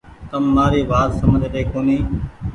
تم مآري وآت سمجه ري ڪونيٚ ۔